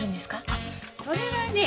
あっそれはね